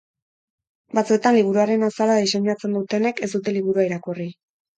Batzuetan liburuaren azala diseinatzen dutenek ez dute liburua irakurri.